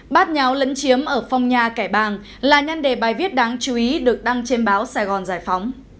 bát nháo lấn chiếm ở phong nha kẻ bàng là nhân đề bài viết đáng chú ý được đăng trên báo sài gòn giải phóng